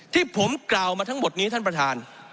ที่ผมกล่าวมาทั้งหมดนี้ท่านประธาน